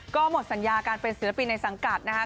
ก็หมดสัญญาการเป็นศิลปินในสังกัดนะคะ